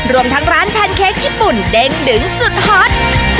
รวมทั้งร้านแพนเค้กญี่ปุ่นเด้งดึงสุดฮอต